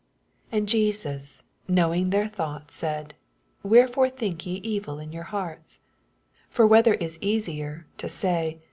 4 And Jesns knowing their thonghts said, Wherefore think ye ovil in your hearts! ^ 5 For whether is easier, to say.